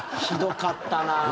ひどかったな。